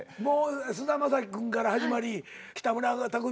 菅田将暉君から始まり北村匠海